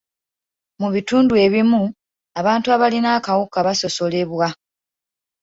Mu bitundu ebimu, abantu abalina akawuka basosolebwa.